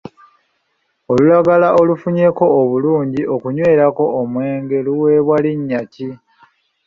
Olulagala olufunyeko obulungi okunywerako omwenge luweebwa linnya ki?